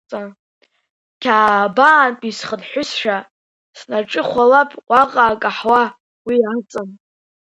Қьаабантәи схынҳәызшәа, снаҿыхәалап уаҟа акаҳуа, уи аҵан…